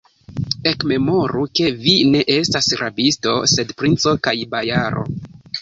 Ekmemoru, ke vi ne estas rabisto, sed princo kaj bojaro!